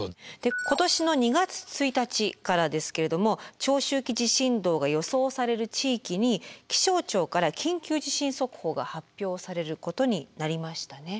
今年の２月１日からですけれども長周期地震動が予想される地域に気象庁から緊急地震速報が発表されることになりましたね。